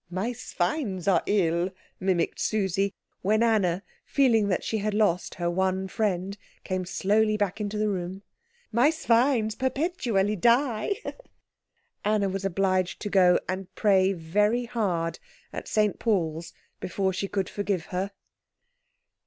"My swines are ill," mimicked Susie, when Anna, feeling that she had lost her one friend, came slowly back into the room, "my swines perpetually die " Anna was obliged to go and pray very hard at St. Paul's before she could forgive her.